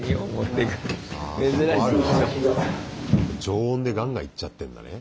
常温でガンガンいっちゃってんだね。